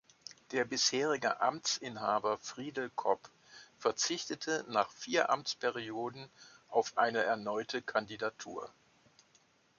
Der bisherige Amtsinhaber Friedel Kopp verzichtete nach vier Amtsperioden auf eine erneute Kandidatur.